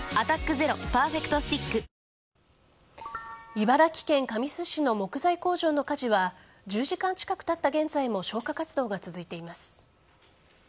茨城県神栖市の木材工場の火事は１０時間近くたった現在も消火活動が続いています。